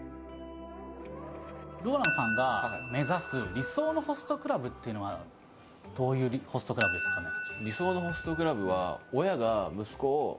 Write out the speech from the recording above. ＲＯＬＡＮＤさんが目指す理想のホストクラブっていうのはどういうホストクラブですかね？